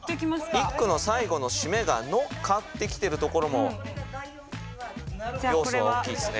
一句の最後の締めが「の香」って来てるところも要素は大きいですね。